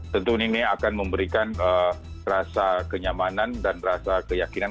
tentu ini akan memberikan rasa kenyamanan dan rasa keyakinan